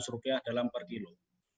seribu dua ratus rupiah dalam per kilo